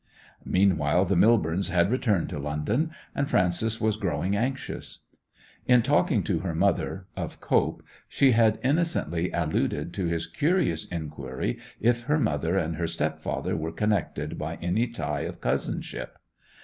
Meanwhile the Millbornes had returned to London, and Frances was growing anxious. In talking to her mother of Cope she had innocently alluded to his curious inquiry if her mother and her step father were connected by any tie of cousinship.